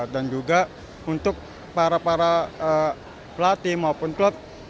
dan juga untuk para para pelatih maupun klub